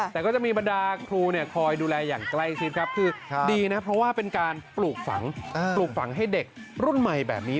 แต่ก็จะมีบรรดาครูคอยดูแลอย่างใกล้ชิดครับคือดีนะเพราะว่าเป็นการปลูกฝังปลูกฝังให้เด็กรุ่นใหม่แบบนี้